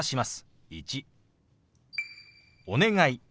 「お願い」。